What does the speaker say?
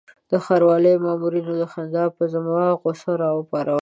د ښاروالۍ مامورینو خندا به زما غوسه راپاروله.